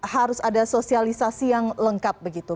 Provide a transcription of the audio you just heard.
harus ada sosialisasi yang lengkap begitu